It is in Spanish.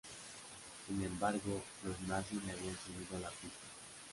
Sin embargo, los nazis le habían seguido la pista.